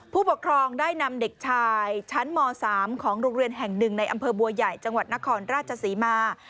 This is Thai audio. ผู้ปกครองได้นำเด็กชายชั้นม๓ของโรงเรียนแห่งหนึ่งในอำเภอบัวใหญ่จังหวัดนครราชศรีมา